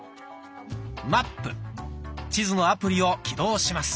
「マップ」地図のアプリを起動します。